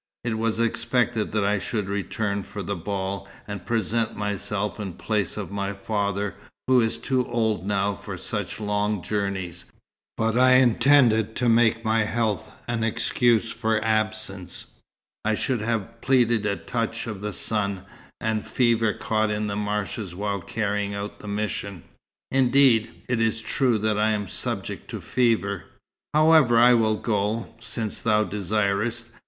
"It was expected that I should return for the ball, and present myself in place of my father, who is too old now for such long journeys; but I intended to make my health an excuse for absence. I should have pleaded a touch of the sun, and a fever caught in the marshes while carrying out the mission. Indeed, it is true that I am subject to fever. However, I will go, since thou desirest.